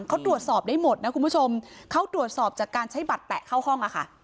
เขาตรวจสอบได้หมดนะคุณผู้ชมเขาตรวจสอบจากการใช้บัตรแตะเข้าห้องอะค่ะ